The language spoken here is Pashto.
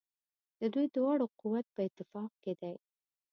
د دوی دواړو قوت په اتفاق کې دی.